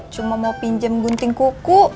cuma mau pinjam gunting kuku